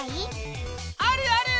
あるある！